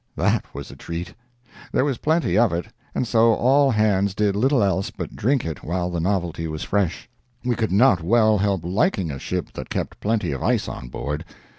That was a treat. There was plenty of it, and so all hands did little else but drink it while the novelty was fresh. We could not well help liking a ship that kept plenty of ice on board.